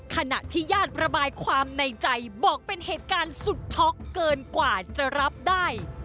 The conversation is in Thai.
ขณะที่ญาติระบายความในใจบอกเป็นเหตุการณ์สุดช็อกเกินกว่าจะรับได้